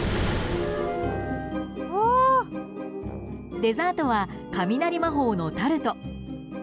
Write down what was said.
デザートは雷魔法のタルト。